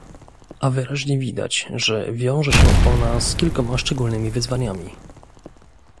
A wyraźnie widać, że wiąże się ona z kilkoma szczególnymi wyzwaniami